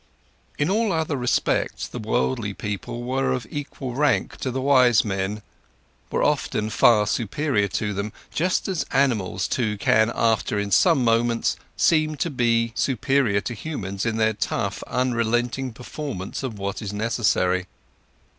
In all other respects, the worldly people were of equal rank to the wise men, were often far superior to them, just as animals too can, after all, in some moments, seem to be superior to humans in their tough, unrelenting performance of what is necessary.